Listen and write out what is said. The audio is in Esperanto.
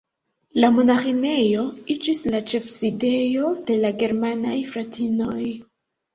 La monaĥinejo iĝis la ĉefsidejo de la germanaj fratinoj.